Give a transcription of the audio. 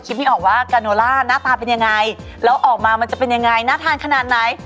ไม่ออกว่ากาโนล่าหน้าตาเป็นยังไงแล้วออกมามันจะเป็นยังไงน่าทานขนาดไหน